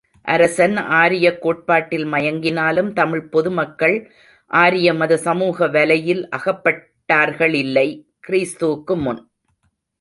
அரசன் ஆரியக் கோட்பாட்டில் மயங்கினாலும் தமிழ்ப் பொது மக்கள் ஆரிய மத சமூக வலையில் அகப்பட்டார்களில்லை. கி.மு.